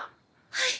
はい！